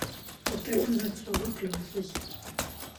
Doch der Umsatz war rückläufig.